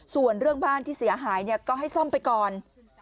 ส่วนเรื่องบ้านที่เสียหายก็ให้ซ่อมไปก่อน